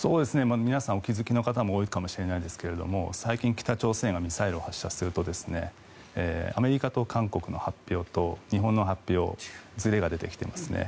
皆さん、お気付きの方も多いかもしれないですが最近、北朝鮮がミサイルを発射するとアメリカと韓国の発表と日本の発表にずれが出てきていますね。